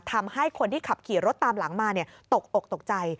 ทำให้คนที่ขับขี่รถตามหลังมาตกอกตกใจ